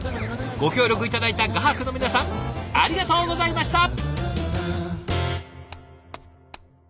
ご協力頂いた画伯の皆さんありがとうございました！